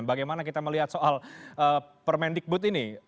bagaimana kita melihat soal permendikbud ini